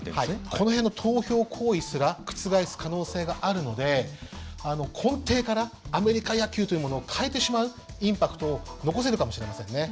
この辺の投票行為すら覆す可能性があるので根底からアメリカ野球というものを変えてしまうインパクトを残せるかもしれませんね。